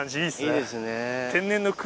いいですね。